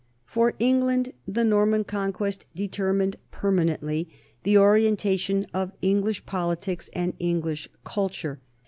For England, the Norman Conquest determined per manently the orientation of English politics and Eng lish culture.